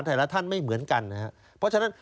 แต่ละท่านไม่เหมือนกันนะครับเพราะฉะนั้น